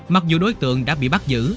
mặc dù đối tượng đã bị bắt giữ